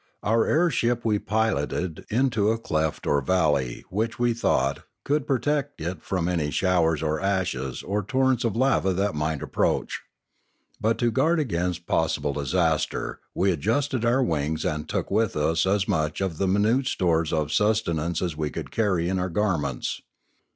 Our airship we piloted into a cleft or valley which, we thought, could protect it from any showers of ashes or torrents of lava that might approach. But to guard against possible disaster, we adjusted our wings and took with us as much of the minute stores of sustenance as we could carry in our garments.